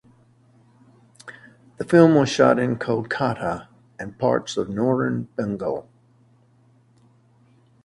The film was shot in Kolkata and parts of North Bengal.